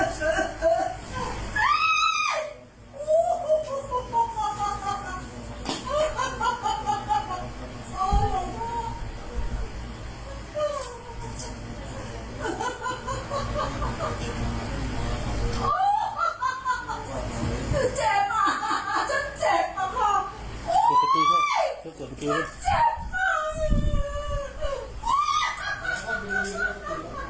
เจ็บมากฉันเจ็บมาก